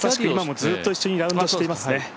今もずっと一緒にラウンドしてますね。